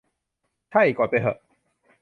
ใช่ กดไปเหอะ